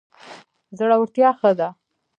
زړورتیا ښه ده.